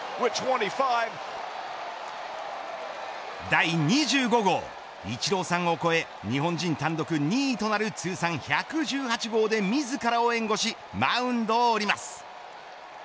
第２５号イチローさんを超え日本人単独２位となる通算１１８号で自らを援護しマウンドを降ります。